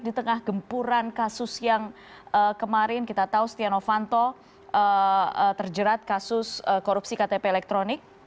di tengah gempuran kasus yang kemarin kita tahu stiano fanto terjerat kasus korupsi ktp elektronik